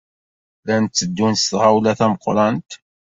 Llan tteddun s tɣawla tameqrant.